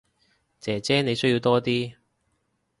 姐姐你需要多啲